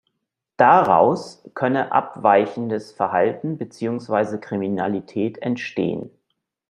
Daraus könne abweichendes Verhalten beziehungsweise Kriminalität entstehen.